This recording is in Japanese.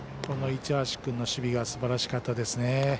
市橋君の守備がすばらしかったですね。